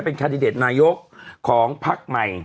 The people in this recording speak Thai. เราก็มีความหวังอะ